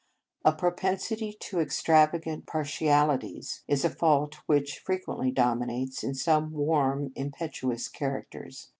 " A propensity to extravagant par tialities is a fault which frequently predominates in some warm, impetu ous characters.